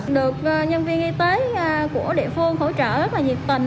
được nhân viên y tế của địa phương hỗ trợ rất là nhiệt tình